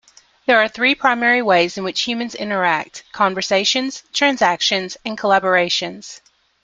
There are three primary ways in which humans interact: conversations, transactions, and collaborations.